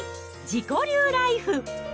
自己流ライフ。